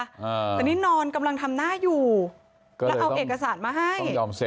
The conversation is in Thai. อ่าแต่นี่นอนกำลังทำหน้าอยู่แล้วเอาเอกสารมาให้